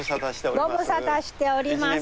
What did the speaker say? ご無沙汰しております。